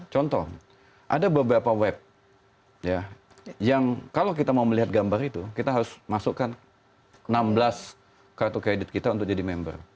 contoh ada beberapa web yang kalau kita mau melihat gambar itu kita harus masukkan enam belas kartu kredit kita untuk jadi member